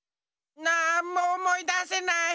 なんもおもいだせない。